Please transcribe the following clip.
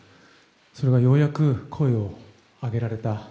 それがようやく声を上げられた。